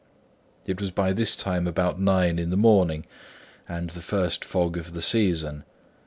It was by this time about nine in the morning, and the first fog of the season.